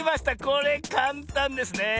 これかんたんですね。